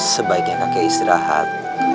sebaiknya kakek istirahat